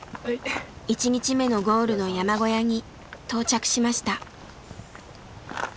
１日目のゴールの山小屋に到着しました。